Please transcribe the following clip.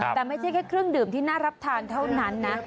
แต่ไม่ใช่แค่เครื่องดื่มที่น่ารับทานเท่านั้นนะ